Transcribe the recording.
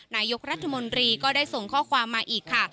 นายกรัฐมนตรีก็ได้ส่งข้อความมาอีกค่ะ